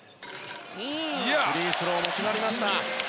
フリースローも決まりました。